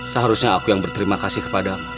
seharusnya aku yang berterima kasih kepadamu